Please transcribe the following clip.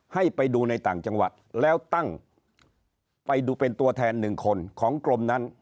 ให้ไปดูในต่างจังหวัดแล้วตั้งไปดูเป็นตัวแทนหนึ่งคนของกรมนั้น